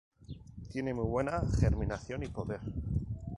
Tiene muy buena germinación y poder.